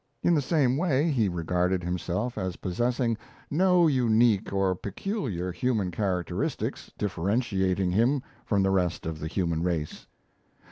In the same way, he regarded himself as possessing no unique or peculiar human characteristics differentiating him from the rest of the human race.